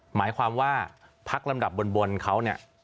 หมายความว่าพักลำดับบนเขาเนี่ย